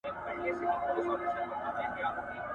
ړوند د خدايه څه غواړي، دوې سترگي.